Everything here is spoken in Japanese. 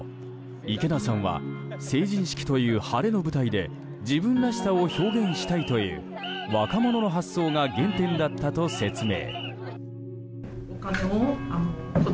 池田さんは成人式という晴れの舞台で自分らしさを表現したいという若者の発想が原点だったと説明。